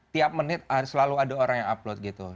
tiap menit selalu ada orang yang upload gitu